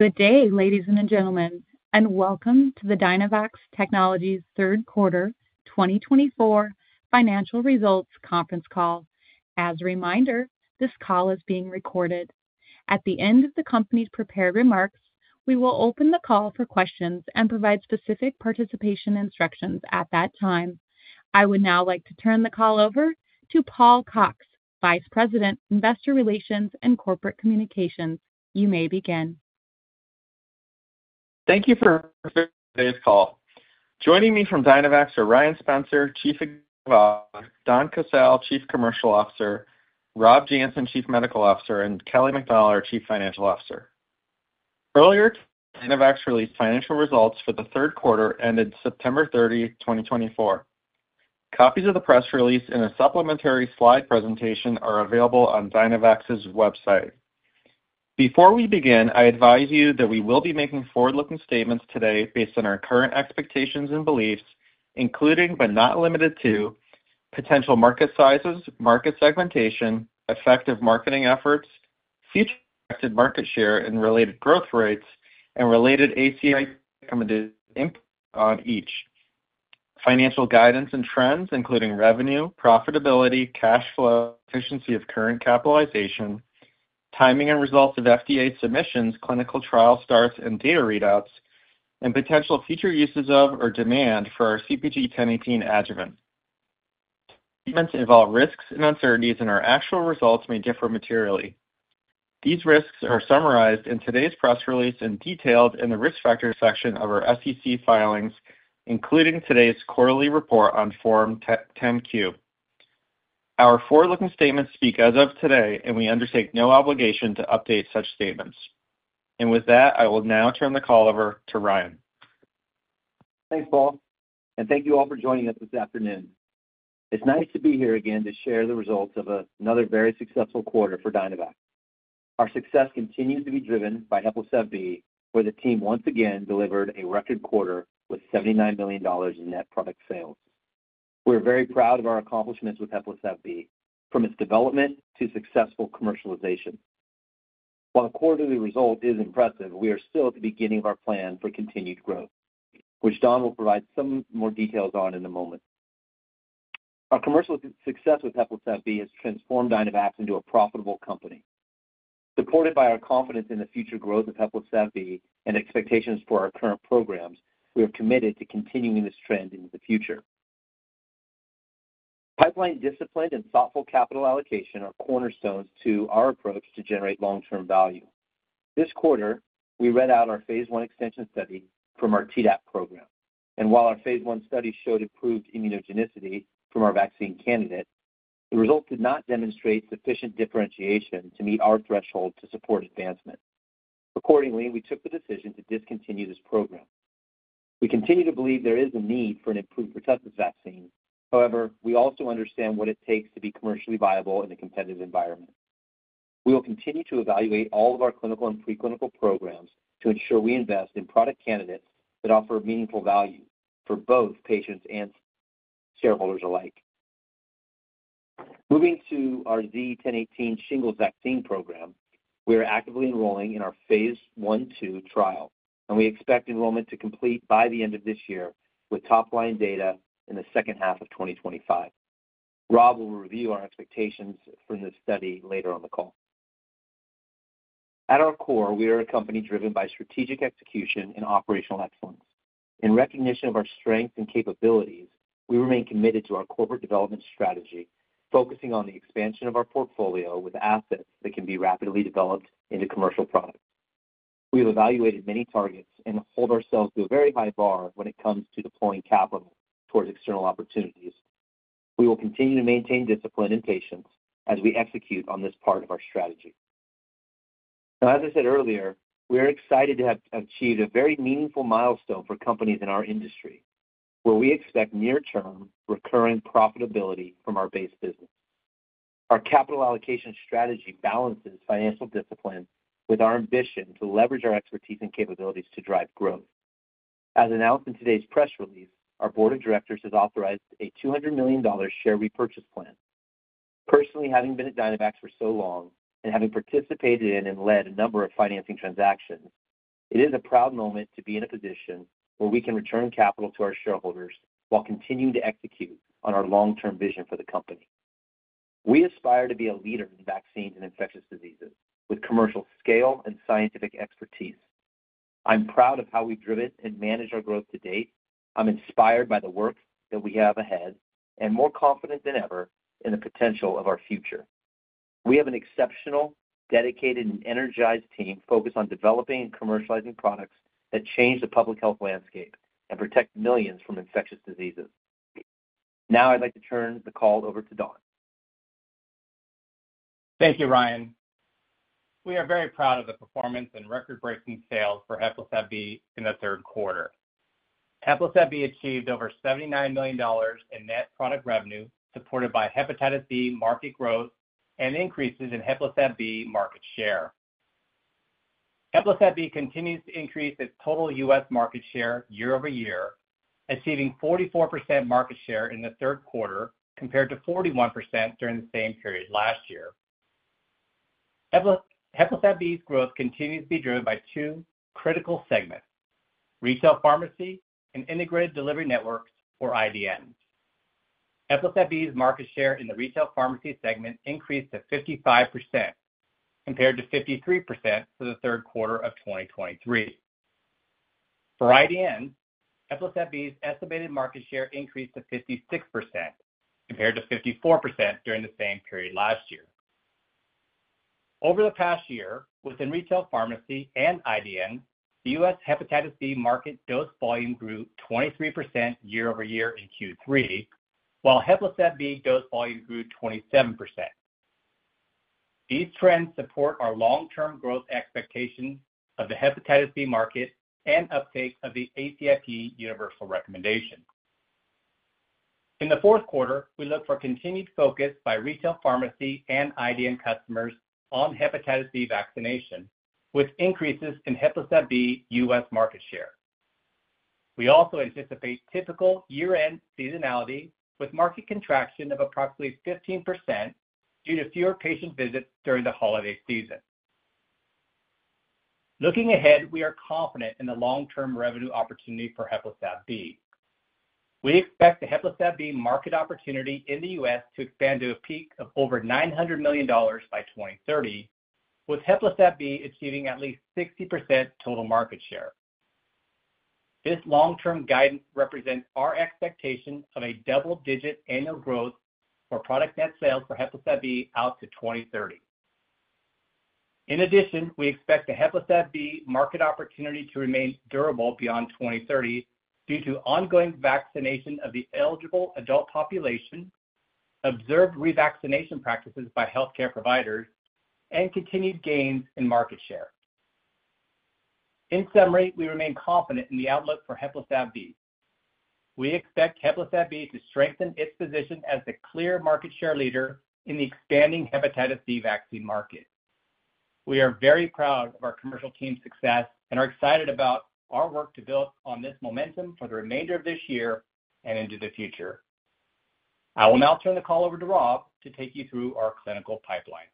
Good day, ladies and gentlemen, and welcome to the Dynavax Technologies' Third Quarter 2024 Financial Results Conference Call. As a reminder, this call is being recorded. At the end of the company's prepared remarks, we will open the call for questions and provide specific participation instructions at that time. I would now like to turn the call over to Paul Cox, Vice President, Investor Relations and Corporate Communications. You may begin. Thank you for joining today's call. Joining me from Dynavax are Ryan Spencer, Chief Executive Officer; Don Casale, Chief Commercial Officer; Rob Janssen, Chief Medical Officer; and Kelly MacDonald, our Chief Financial Officer. Earlier, Dynavax released financial results for the third quarter ended September 30, 2024. Copies of the press release and a supplementary slide presentation are available on Dynavax's website. Before we begin, I advise you that we will be making forward-looking statements today based on our current expectations and beliefs, including but not limited to potential market sizes, market segmentation, effective marketing efforts, future expected market share and related growth rates, and related ACIP recommendations on each, financial guidance and trends, including revenue, profitability, cash flow, efficiency of current capitalization, timing and results of FDA submissions, clinical trial starts and data readouts, and potential future uses of or demand for our CpG 1018 adjuvant. Statements involve risks and uncertainties, and our actual results may differ materially. These risks are summarized in today's press release and detailed in the risk factor section of our SEC filings, including today's quarterly report on Form 10-Q. Our forward-looking statements speak as of today, and we undertake no obligation to update such statements. And with that, I will now turn the call over to Ryan. Thanks, Paul, and thank you all for joining us this afternoon. It's nice to be here again to share the results of another very successful quarter for Dynavax. Our success continues to be driven by HEPLISAV-B, where the team once again delivered a record quarter with $79 million in net product sales. We're very proud of our accomplishments with HEPLISAV-B, from its development to successful commercialization. While the quarterly result is impressive, we are still at the beginning of our plan for continued growth, which Don will provide some more details on in a moment. Our commercial success with HEPLISAV-B has transformed Dynavax into a profitable company. Supported by our confidence in the future growth of HEPLISAV-B and expectations for our current programs, we are committed to continuing this trend into the future. Pipeline discipline and thoughtful capital allocation are cornerstones to our approach to generate long-term value. This quarter, we read out our phase 1 Extension study from our Tdap program. And while our phase 1 study showed improved immunogenicity from our vaccine candidate, the results did not demonstrate sufficient differentiation to meet our threshold to support advancement. Accordingly, we took the decision to discontinue this program. We continue to believe there is a need for an improved protective vaccine. However, we also understand what it takes to be commercially viable in a competitive environment. We will continue to evaluate all of our clinical and preclinical programs to ensure we invest in product candidates that offer meaningful value for both patients and shareholders alike. Moving to our Z1018 shingles vaccine program, we are actively enrolling in our phase 1/2 trial, and we expect enrollment to complete by the end of this year with top-line data in the second half of 2025. Rob will review our expectations from this study later on the call. At our core, we are a company driven by strategic execution and operational excellence. In recognition of our strengths and capabilities, we remain committed to our corporate development strategy, focusing on the expansion of our portfolio with assets that can be rapidly developed into commercial products. We have evaluated many targets and hold ourselves to a very high bar when it comes to deploying capital towards external opportunities. We will continue to maintain discipline and patience as we execute on this part of our strategy. Now, as I said earlier, we are excited to have achieved a very meaningful milestone for companies in our industry, where we expect near-term recurring profitability from our base business. Our capital allocation strategy balances financial discipline with our ambition to leverage our expertise and capabilities to drive growth. As announced in today's press release, our Board of Directors has authorized a $200 million share repurchase plan. Personally, having been at Dynavax for so long and having participated in and led a number of financing transactions, it is a proud moment to be in a position where we can return capital to our shareholders while continuing to execute on our long-term vision for the company. We aspire to be a leader in vaccines and infectious diseases with commercial scale and scientific expertise. I'm proud of how we've driven and managed our growth to date. I'm inspired by the work that we have ahead and more confident than ever in the potential of our future. We have an exceptional, dedicated, and energized team focused on developing and commercializing products that change the public health landscape and protect millions from infectious diseases. Now, I'd like to turn the call over to Don. Thank you, Ryan. We are very proud of the performance and record-breaking sales for HEPLISAV-B in the third quarter. HEPLISAV-B achieved over $79 million in net product revenue supported by hepatitis B market growth and increases in HEPLISAV-B market share. HEPLISAV-B continues to increase its total U.S. market share year over year, achieving 44% market share in the third quarter compared to 41% during the same period last year. HEPLISAV-B's growth continues to be driven by two critical segments: retail pharmacy and integrated delivery networks, or IDNs. HEPLISAV-B's market share in the retail pharmacy segment increased to 55% compared to 53% for the third quarter of 2023. For IDNs, HEPLISAV-B's estimated market share increased to 56% compared to 54% during the same period last year. Over the past year, within retail pharmacy and IDNs, the U.S. Hepatitis B market dose volume grew 23% year over year in Q3, while HEPLISAV-B dose volume grew 27%. These trends support our long-term growth expectations of the hepatitis B market and uptake of the ACIP Universal Recommendation. In the fourth quarter, we look for continued focus by retail pharmacy and IDN customers on hepatitis B vaccination, with increases in HEPLISAV-B U.S. market share. We also anticipate typical year-end seasonality with market contraction of approximately 15% due to fewer patient visits during the holiday season. Looking ahead, we are confident in the long-term revenue opportunity for HEPLISAV-B. We expect the HEPLISAV-B market opportunity in the U.S. to expand to a peak of over $900 million by 2030, with HEPLISAV-B achieving at least 60% total market share. This long-term guidance represents our expectation of a double-digit annual growth for product net sales for HEPLISAV-B out to 2030. In addition, we expect the HEPLISAV-B market opportunity to remain durable beyond 2030 due to ongoing vaccination of the eligible adult population, observed revaccination practices by healthcare providers, and continued gains in market share. In summary, we remain confident in the outlook for HEPLISAV-B. We expect HEPLISAV-B to strengthen its position as a clear market share leader in the expanding hepatitis B vaccine market. We are very proud of our commercial team's success and are excited about our work to build on this momentum for the remainder of this year and into the future. I will now turn the call over to Rob to take you through our clinical pipeline.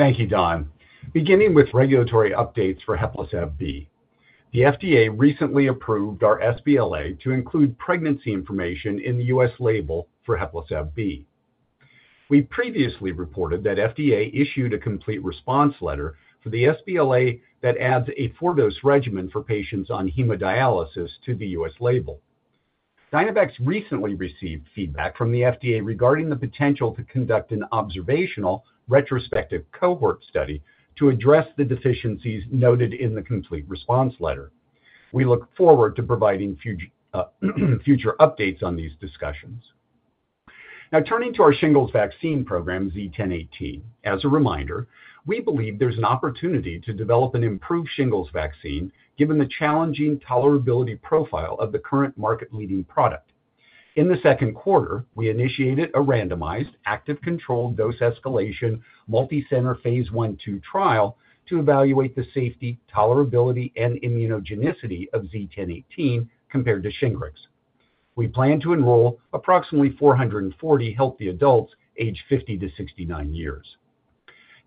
Thank you, Don. Beginning with regulatory updates for HEPLISAV-B. The FDA recently approved our sBLA to include pregnancy information in the U.S. label for HEPLISAV-B. We previously reported that the FDA issued a complete response letter for the sBLA that adds a four-dose regimen for patients on hemodialysis to the U.S. label. Dynavax recently received feedback from the FDA regarding the potential to conduct an observational retrospective cohort study to address the deficiencies noted in the complete response letter. We look forward to providing future updates on these discussions. Now, turning to our shingles vaccine program, Z1018, as a reminder, we believe there's an opportunity to develop an improved shingles vaccine given the challenging tolerability profile of the current market-leading product. In the second quarter, we initiated a randomized active control dose escalation multi-center phase 1/2 trial to evaluate the safety, tolerability, and immunogenicity of Z1018 compared to Shingrix. We plan to enroll approximately 440 healthy adults aged 50 to 69 years.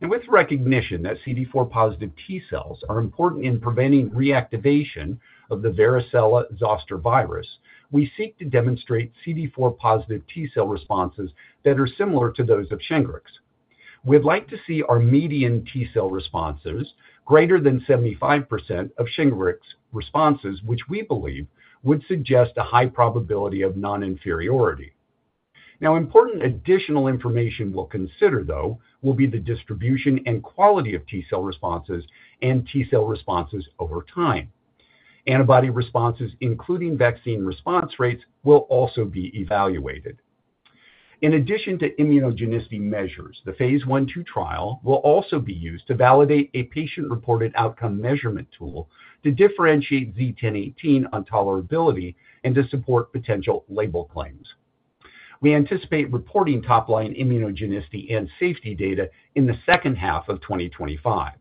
And with recognition that CD4-positive T cells are important in preventing reactivation of the varicella zoster virus, we seek to demonstrate CD4-positive T cell responses that are similar to those of Shingrix. We'd like to see our median T cell responses greater than 75% of Shingrix responses, which we believe would suggest a high probability of non-inferiority. Now, important additional information we'll consider, though, will be the distribution and quality of T cell responses and T cell responses over time. Antibody responses, including vaccine response rates, will also be evaluated. In addition to immunogenicity measures, the phase 1/2 trial will also be used to validate a patient-reported outcome measurement tool to differentiate Z1018 on tolerability and to support potential label claims. We anticipate reporting top-line immunogenicity and safety data in the second half of 2025.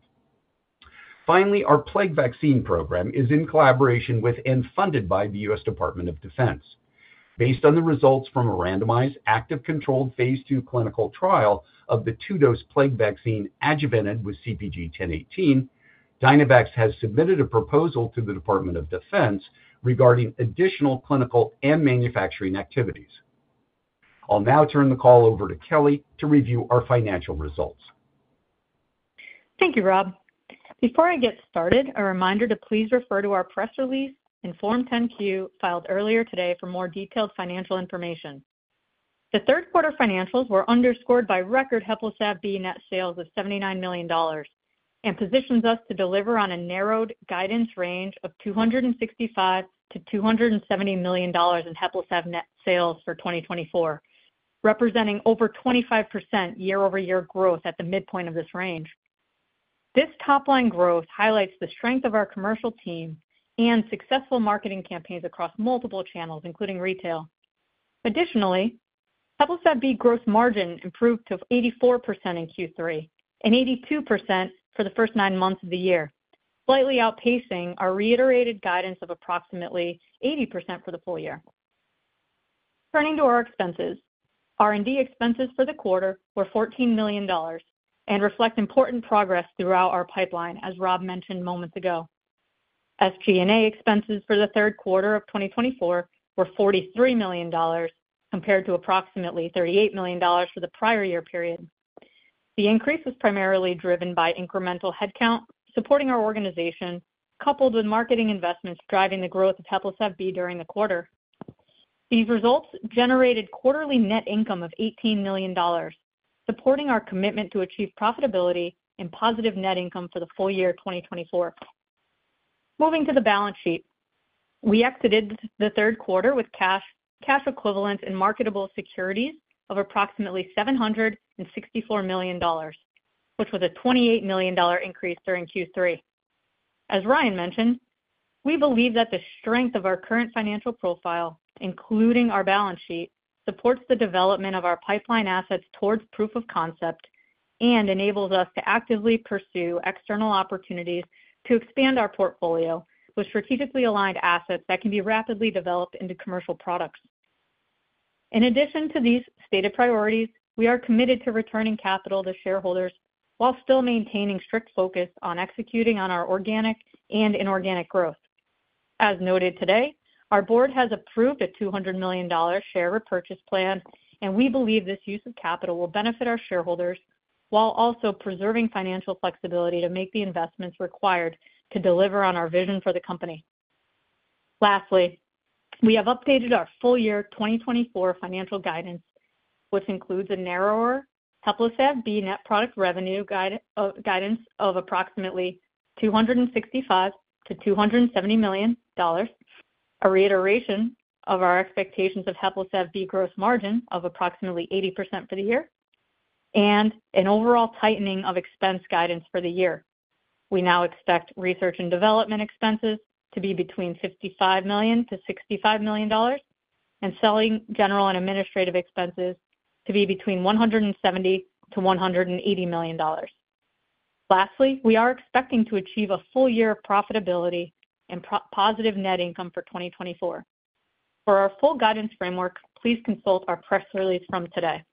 Finally, our plague vaccine program is in collaboration with and funded by the U.S. Department of Defense. Based on the results from a randomized active controlled phase 2 clinical trial of the two-dose plague vaccine adjuvanted with CpG 1018, Dynavax has submitted a proposal to the Department of Defense regarding additional clinical and manufacturing activities. I'll now turn the call over to Kelly to review our financial results. Thank you, Rob. Before I get started, a reminder to please refer to our press release and Form 10-Q filed earlier today for more detailed financial information. The third quarter financials were underscored by record HEPLISAV-B net sales of $79 million and positions us to deliver on a narrowed guidance range of $265-$270 million in HEPLISAV-B net sales for 2024, representing over 25% year-over-year growth at the midpoint of this range. This top-line growth highlights the strength of our commercial team and successful marketing campaigns across multiple channels, including retail. Additionally, HEPLISAV-B gross margin improved to 84% in Q3 and 82% for the first nine months of the year, slightly outpacing our reiterated guidance of approximately 80% for the full year. Turning to our expenses, R&D expenses for the quarter were $14 million and reflect important progress throughout our pipeline, as Rob mentioned moments ago. SG&A expenses for the third quarter of 2024 were $43 million compared to approximately $38 million for the prior year period. The increase was primarily driven by incremental headcount supporting our organization, coupled with marketing investments driving the growth of HEPLISAV-B during the quarter. These results generated quarterly net income of $18 million, supporting our commitment to achieve profitability and positive net income for the full year 2024. Moving to the balance sheet, we exited the third quarter with cash equivalents in marketable securities of approximately $764 million, which was a $28 million increase during Q3. As Ryan mentioned, we believe that the strength of our current financial profile, including our balance sheet, supports the development of our pipeline assets towards proof of concept and enables us to actively pursue external opportunities to expand our portfolio with strategically aligned assets that can be rapidly developed into commercial products. In addition to these stated priorities, we are committed to returning capital to shareholders while still maintaining strict focus on executing on our organic and inorganic growth. As noted today, our board has approved a $200 million share repurchase plan, and we believe this use of capital will benefit our shareholders while also preserving financial flexibility to make the investments required to deliver on our vision for the company. Lastly, we have updated our full year 2024 financial guidance, which includes a narrower HEPLISAV-B net product revenue guidance of approximately $265-$270 million, a reiteration of our expectations of HEPLISAV-B gross margin of approximately 80% for the year, and an overall tightening of expense guidance for the year. We now expect research and development expenses to be between $55-$65 million and selling general and administrative expenses to be between $170-$180 million. Lastly, we are expecting to achieve a full year of profitability and positive net income for 2024. For our full guidance framework, please consult our press release from today.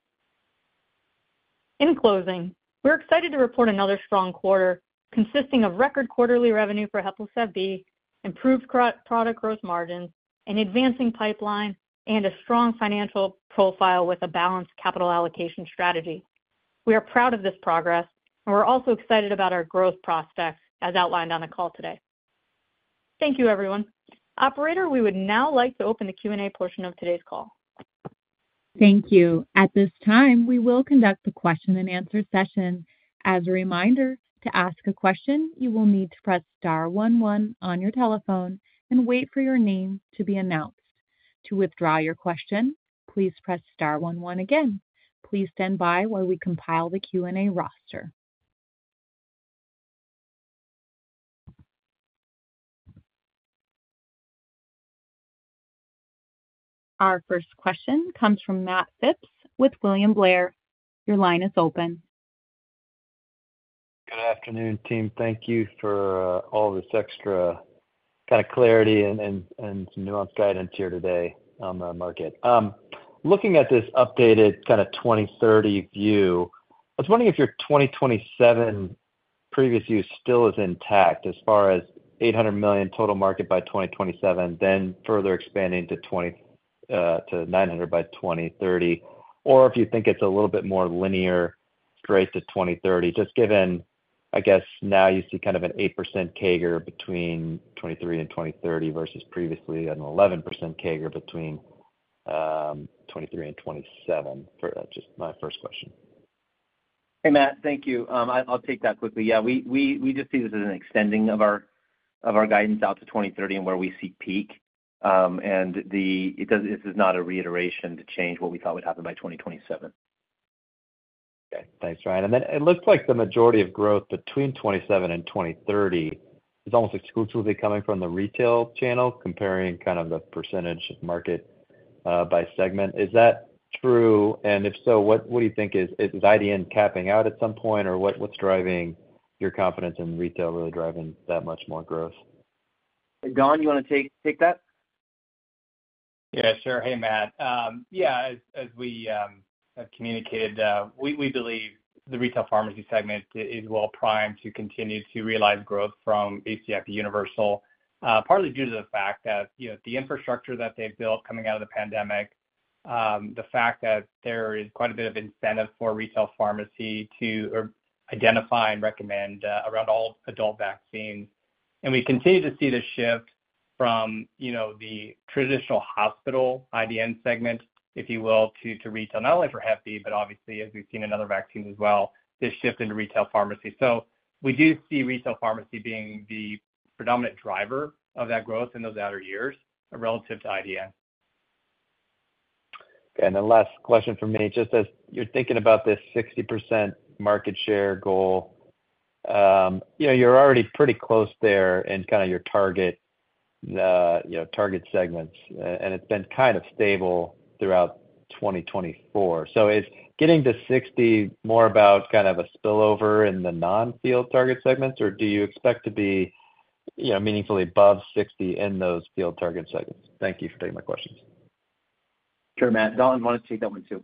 In closing, we're excited to report another strong quarter consisting of record quarterly revenue for HEPLISAV-B, improved product growth margins, an advancing pipeline, and a strong financial profile with a balanced capital allocation strategy. We are proud of this progress, and we're also excited about our growth prospects as outlined on the call today. Thank you, everyone. Operator, we would now like to open the Q&A portion of today's call. Thank you. At this time, we will conduct the question-and-answer session. As a reminder, to ask a question, you will need to press star 11 on your telephone and wait for your name to be announced. To withdraw your question, please press star 11 again. Please stand by while we compile the Q&A roster. Our first question comes from Matt Phipps with William Blair. Your line is open. Good afternoon, team. Thank you for all this extra clarity and some nuanced guidance here today on the market. Looking at this updated 2030 view, I was wondering if your 2027 previous view still is intact as far as $800 million total market by 2027, then further expanding to $900 by 2030, or if you think it's a little bit more linear straight to 2030, just given, I guess, now you see an 8% CAGR between 2023 and 2030 versus previously an 11% CAGR between 2023 and 2027? That's just my first question. Hey, Matt. Thank you. I'll take that quickly. Yeah, we just see this as an extension of our guidance out to 2030 and where we see peak. And this is not a reiteration to change what we thought would happen by 2027. Okay. Thanks, Ryan. And then it looks like the majority of growth between 2027 and 2030 is almost exclusively coming from the retail channel, comparing the percentage of market by segment. Is that true? And if so, what do you think? Is IDN capping out at some point, or what's driving your confidence in retail really driving that much more growth? Don, you want to take that? Yeah, sure. Hey, Matt. Yeah, as we have communicated, we believe the retail pharmacy segment is well primed to continue to realize growth from ACIP Universal, partly due to the fact that the infrastructure that they've built coming out of the pandemic, the fact that there is quite a bit of incentive for retail pharmacy to identify and recommend around all adult vaccines, and we continue to see the shift from the traditional hospital IDN segment, if you will, to retail, not only for Hep B, but obviously, as we've seen in other vaccines as well, this shift into retail pharmacy, so we do see retail pharmacy being the predominant driver of that growth in those outer years relative to IDN. Okay. Then last question for me, just as you're thinking about this 60% market share goal, you're already pretty close there in your target segments, and it's been stable throughout 2024. So is getting to 60 more about a spillover in the non-field target segments, or do you expect to be meaningfully above 60 in those field target segments? Thank you for taking my questions. Sure, Matt. Don, want to take that one too?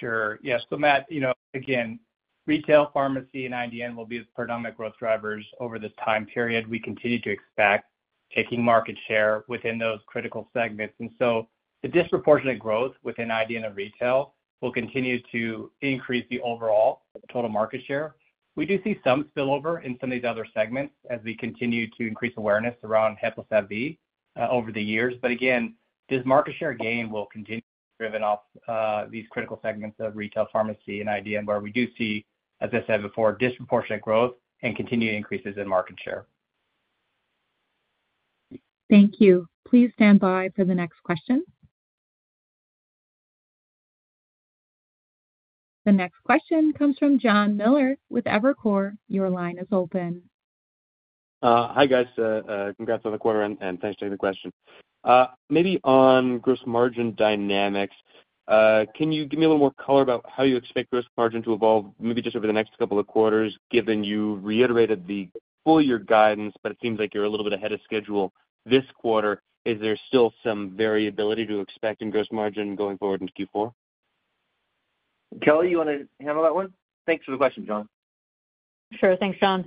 Sure. Yeah. Matt, again, retail pharmacy and IDN will be the predominant growth drivers over this time period. We continue to expect taking market share within those critical segments. And so the disproportionate growth within IDN and retail will continue to increase the overall total market share. We do see some spillover in some of these other segments as we continue to increase awareness around HEPLISAV-B over the years. But again, this market share gain will continue to be driven off these critical segments of retail pharmacy and IDN, where we do see, as I said before, disproportionate growth and continued increases in market share. Thank you. Please stand by for the next question. The next question comes from John Miller with Evercore. Your line is open. Hi, guys. Congrats on the quarter, and thanks for taking the question. Maybe on gross margin dynamics, can you give me a little more color about how you expect gross margin to evolve maybe just over the next couple of quarters, given you reiterated the full year guidance, but it seems like you're a little bit ahead of schedule this quarter? Is there still some variability to expect in gross margin going forward into Q4? Kelly, you want to handle that one? Thanks for the question, John. Sure. Thanks, John.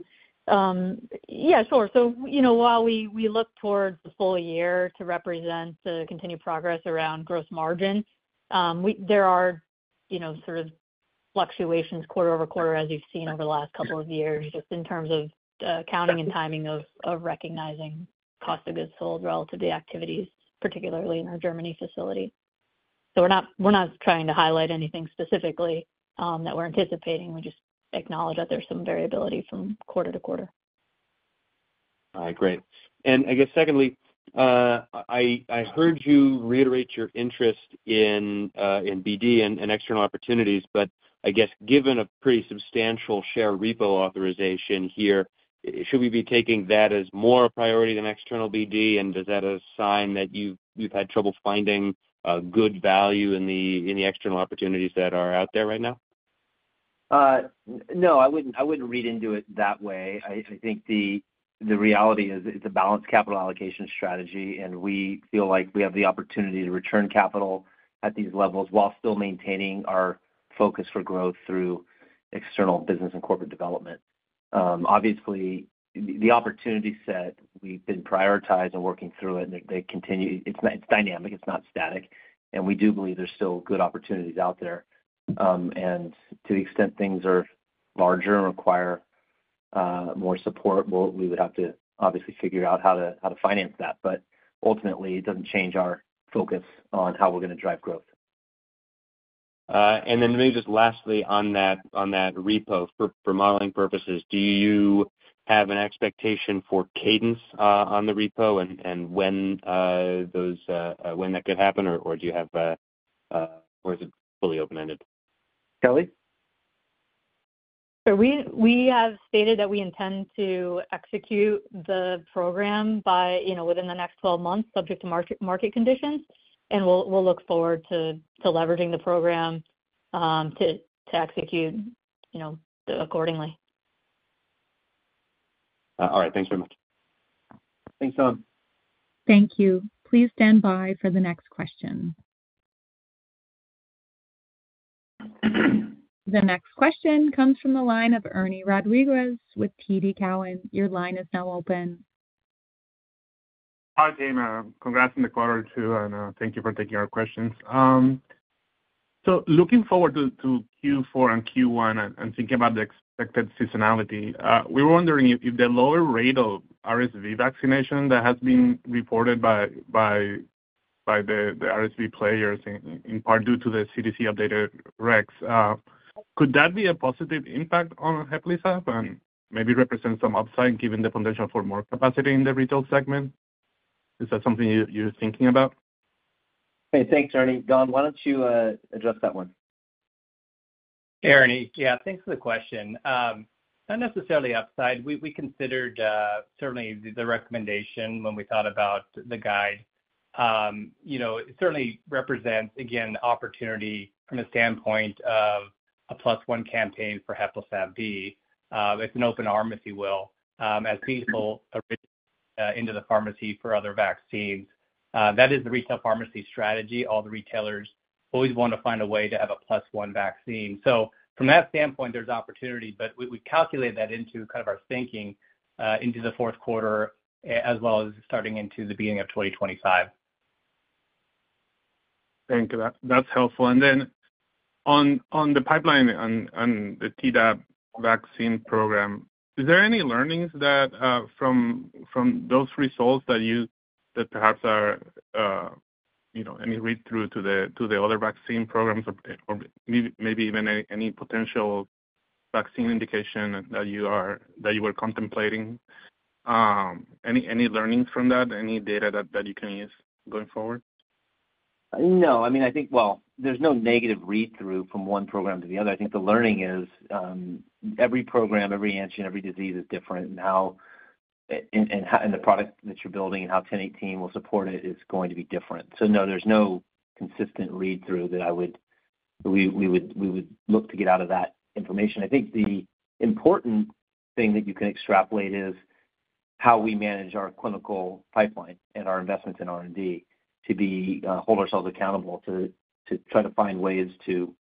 Yeah, sure. While we look towards the full year to represent the contInued progress around gross margin, there are fluctuations quarter over quarter, as you've seen over the last couple of years, just in terms of counting and timing of recognizing cost of goods sold relative to the activities, particularly in our Germany facility. So we're not trying to highlight anything specifically that we're anticipating. We just acknowledge that there's some variability from quarter to quarter. All right. Great. And I guess, secondly, I heard you reiterate your interest in BD and external opportunities, but I guess, given a pretty substantial share repo authorization here, should we be taking that as more a priority than external BD? And is that a sign that you've had trouble finding good value in the external opportunities that are out there right now? No, I wouldn't read into it that way. I think the reality is it's a balanced capital allocation strategy, and we feel like we have the opportunity to return capital at these levels while still maintaining our focus for growth through external business and corporate development. Obviously, the opportunity set, we've been prioritizing and working through it, and it's dynamic. It's not static. We do believe there's still good opportunities out there. And to the extent things are larger and require more support, we would have to obviously figure out how to finance that. Ultimately, it doesn't change our focus on how we're going to drive growth. Then maybe just lastly on that repo, for modeling purposes, do you have an expectation for cadence on the repo and when that could happen, or is it fully open-ended? Kelly? So we have stated that we intend to execute the program within the next 12 months, subject to market conditions, and we'll look forward to leveraging the program to execute accordingly. All right. Thanks very much. Thanks, Don. Thank you. Please stand by for the next question. The next question comes from the line of Ernie Rodriguez with TD Cowen. Your line is now open. Hi, team. Congrats on the quarter two, and thank you for taking our questions. So looking forward to Q4 and Q1 and thinking about the expected seasonality, we were wondering if the lower rate of RSV vaccination that has been reported by the RSV players, in part due to the CDC updated recs, could that be a positive impact on HEPLISAV-B and maybe represent some upside given the potential for more capacity in the retail segment? Is that something you're thinking about? Hey, thanks, Ernie. Don, why don't you address that one? Ernie, yeah, thanks for the question. Not necessarily upside. We considered certainly the recommendation when we thought about the guide. It certainly represents, again, opportunity from the standpoint of a plus-one campaign for HEPLISAV-B. It's an open arm, if you will, as people are reaching into the pharmacy for other vaccines. That is the retail pharmacy strategy. All the retailers always want to find a way to have a plus-one vaccine. So from that standpoint, there's opportunity, but we calculate that into our thinking into the fourth quarter as well as starting into the beginning of 2025. Thank you. That's helpful. Then on the pipeline and the Tdap vaccine program, is there any learnings from those results that perhaps are any read-through to the other vaccine programs or maybe even any potential vaccine indication that you were contemplating? Any learnings from that, any data that you can use going forward? No. I mean, I think, well, there's no negative read-through from one program to the other. I think the learning is every program, every engine, every disease is different, and the product that you're building and how 1018 will support it is going to be different. So no, there's no consistent read-through that we would look to get out of that information. I think the important thing that you can extrapolate is how we manage our clinical pipeline and our investments in R&D to hold ourselves accountable, to try to find ways to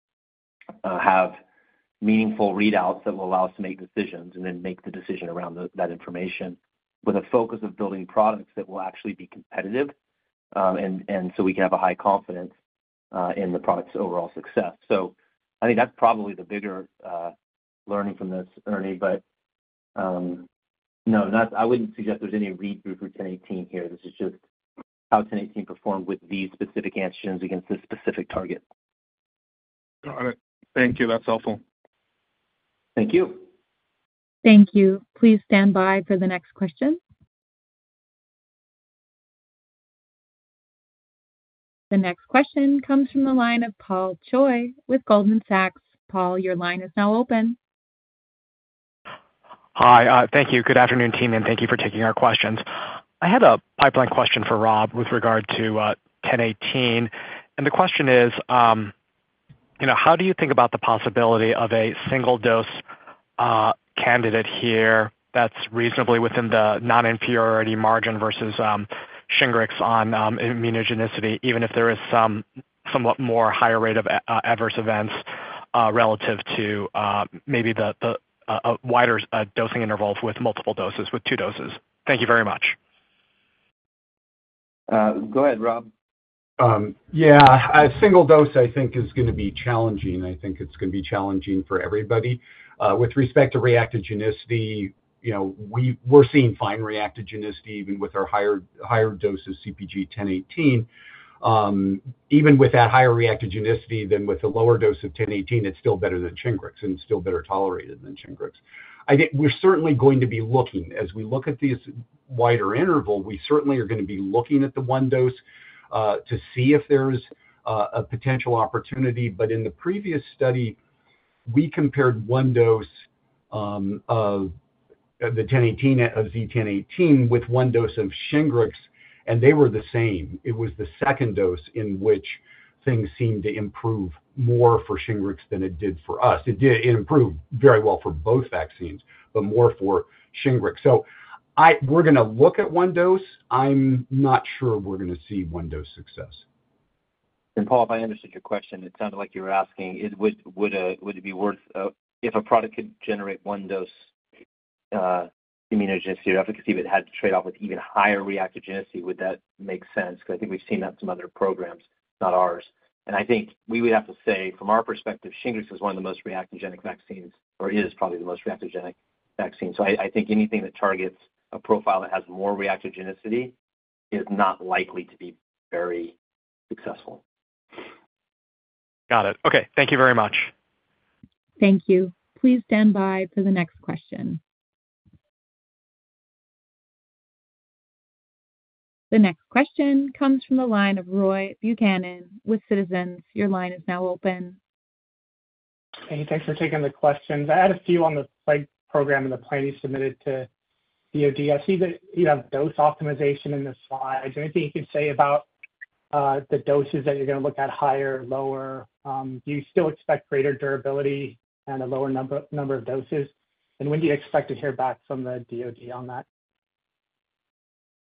have meaningful readouts that will allow us to make decisions and then make the decision around that information with a focus of building products that will actually be competitive and so we can have a high confidence in the product's overall success. I think that's probably the bigger learning from this, Ernie, but no, I wouldn't suggest there's any read-through for 1018 here. This is just how 1018 performed with these specific antigens against this specific target. Got it. Thank you. That's helpful. Thank you. Thank you. Please stand by for the next question. The next question comes from the line of Paul Choi with Goldman Sachs. Paul, your line is now open. Hi. Thank you. Good afternoon, team, and thank you for taking our questions. I had a pipeline question for Rob with regard to 1018, and the question is, how do you think about the possibility of a single-dose candidate here that's reasonably within the non-inferiority margin versus Shingrix on immunogenicity, even if there is some somewhat more higher rate of adverse events relative to maybe the wider dosing intervals with multiple doses, with two doses? Thank you very much. Go ahead, Rob. Yeah. A single dose, I think, is going to be challenging. I think it's going to be challenging for everybody. With respect to reactogenicity, we're seeing fine reactogenicity even with our higher dose of CpG 1018. Even with that higher reactogenicity than with a lower dose of 1018, it's still better than Shingrix, and it's still better tolerated than Shingrix. We're certainly going to be looking as we look at this wider interval, we certainly are going to be looking at the one dose to see if there's a potential opportunity. But in the previous study, we compared one dose of the 1018 of Z1018 with one dose of Shingrix, and they were the same. It was the second dose in which things seemed to improve more for Shingrix than it did for us. It improved very well for both vaccines, but more for Shingrix. We're going to look at one dose. I'm not sure we're going to see one-dose success. Paul, if I understood your question, it sounded like you were asking, would it be worth if a product could generate one-dose immunogenicity or efficacy, but it had to trade off with even higher reactogenicity? Would that make sense? I think we've seen that in some other programs, not ours. And I think we would have to say, from our perspective, Shingrix is one of the most reactogenic vaccines, or is probably the most reactogenic vaccine. So I think anything that targets a profile that has more reactogenicity is not likely to be very successful. Got it. Okay. Thank you very much. Thank you. Please stand by for the next question. The next question comes from the line of Roy Buchanan with Citizens. Your line is now open. Hey, thanks for taking the questions. I had a few on the plague program and the plan you submitted to DoD. I see that you have dose optimization in the slides. Anything you can say about the doses that you're going to look at, higher or lower? Do you still expect greater durability and a lower number of doses? And when do you expect to hear back from the DoD on that?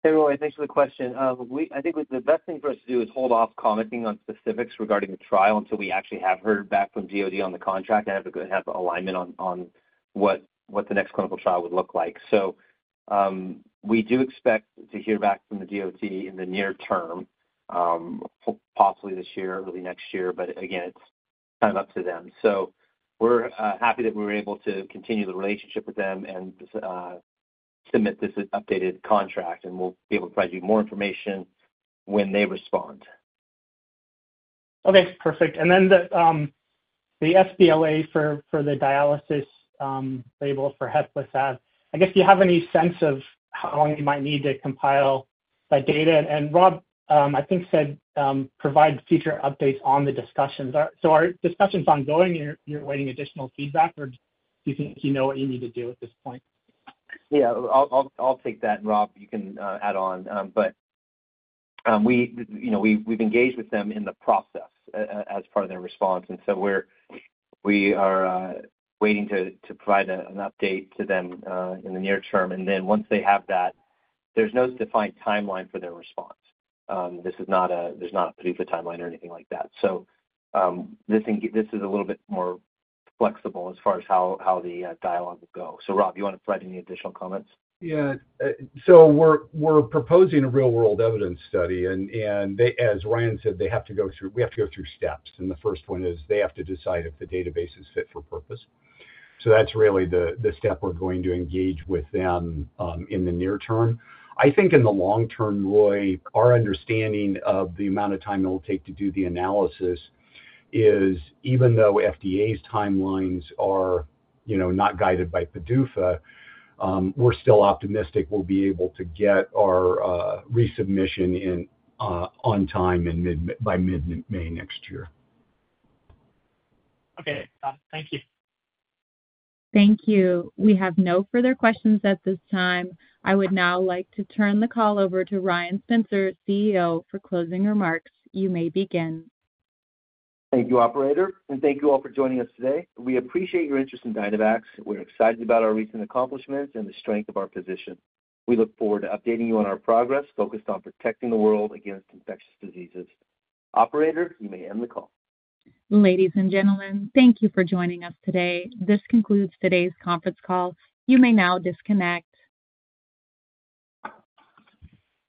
Hey, Roy, thanks for the question. I think the best thing for us to do is hold off commenting on specifics regarding the trial until we actually have heard back from DoD on the contract and have alignment on what the next clinical trial would look like. So we do expect to hear back from the DoD in the near term, possibly this year, early next year, but again, it's up to them. We're happy that we were able to continue the relationship with them and submit this updated contract, and we'll be able to provide you more information when they respond. Okay. Perfect. Then the sBLA for the dialysis label for HEPLISAV-B, I guess. Do you have any sense of how long you might need to compile that data? And Rob, I think, said provide future updates on the discussions. So are discussions ongoing? You're waiting additional feedback, or do you think you know what you need to do at this point? Yeah. I'll take that. And Rob, you can add on. We've engaged with them in the process as part of their response. We are waiting to provide an update to them in the near term. And then once they have that, there's no defined timeline for their response. There's not a PDUFA timeline or anything like that. This is a little bit more flexible as far as how the dialogue will go. So Rob, do you want to provide any additional comments? Yeah. We're proposing a real-world evidence study. And as Ryan said, we have to go through steps. And the first one is they have to decide if the database is fit for purpose. So that's really the step we're going to engage with them in the near term. I think in the long term, Roy, our understanding of the amount of time it'll take to do the analysis is even though FDA's timelines are not guided by PDUFA, we're still optimistic we'll be able to get our resubmission on time by mid-May next year. Thank you. Thank you. We have no further questions at this time. I would now like to turn the call over to Ryan Spencer, CEO, for closing remarks. You may begin. Thank you, Operator, and thank you all for joining us today. We appreciate your interest in Dynavax. We're excited about our recent accomplishments and the strength of our position. We look forward to updating you on our progress focused on protecting the world against infectious diseases. Operator, you may end the call. Ladies and gentlemen, thank you for joining us today. This concludes today's conference call. You may now disconnect.